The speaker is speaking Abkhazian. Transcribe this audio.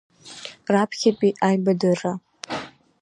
Раԥхьатәи аибадырра.